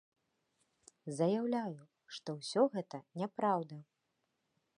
Заяўляю, што ўсё гэта няпраўда.